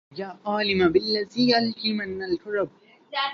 يا عالما بالذي ألقى من الكرب